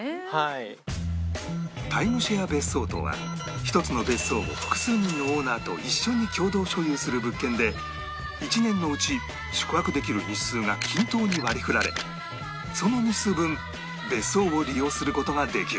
タイムシェア別荘とは１つの別荘を複数人のオーナーと一緒に共同所有する物件で１年のうち宿泊できる日数が均等に割り振られその日数分別荘を利用する事ができる